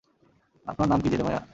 আপনার নাম কী জেরেমায়া?